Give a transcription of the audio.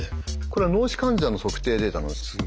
これは脳死患者の測定データなんです。